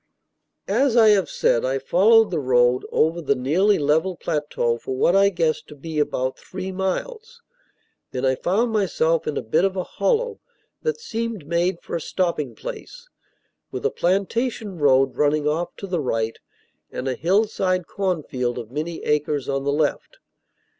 As I have said, I followed the road over the nearly level plateau for what I guessed to be about three miles. Then I found myself in a bit of hollow that seemed made for a stopping place, with a plantation road running off to the right, and a hillside cornfield of many acres on the left.